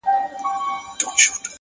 پوه انسان د پوهېدو سفر نه دروي!